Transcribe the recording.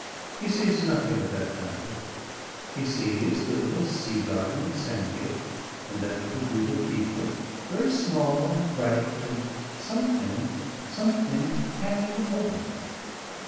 He sees nothing of that traffic. He sees the little sea garden at Sandgate and that little group of people very small and bright and something something hanging over them.